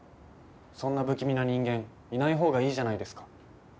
そんな不気味な人間いないほうがいいじゃないですか